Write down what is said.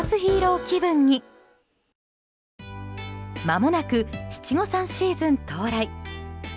まもなく七五三シーズン、到来。